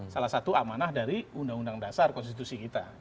salah satu amanah dari undang undang dasar konstitusi kita